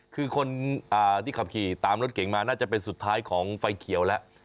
คือคนที่ขับขี่ตามรถเก่งมาน่าจะเป็นสุดท้ายของไฟเขียวแล้ว